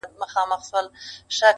مجبورۍ پر خپل عمل کړلې پښېمانه؛